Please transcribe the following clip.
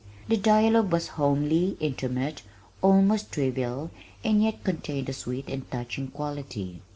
The dialogue was homely, intimate, almost trivial and yet contained a sweet and touching quality.